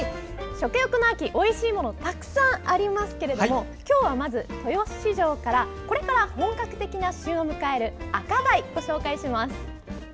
食欲の秋、おいしいものはたくさんありますけれども今日はまず豊洲市場からこれから本格的な旬を迎える赤貝をご紹介します。